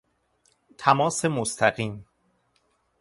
تماس مستقیم